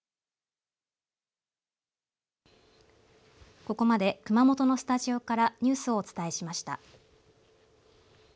ここまで熊本のスタジオからニュースをお伝えしました。